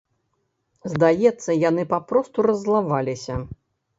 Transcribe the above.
Здаецца, яны папросту раззлаваліся.